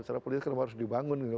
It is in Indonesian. karena politik harus dibangun